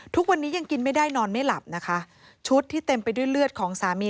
ทุกวันนี้ยังกินไม่ได้นอนไม่หลับนะคะชุดที่เต็มไปด้วยเลือดของสามี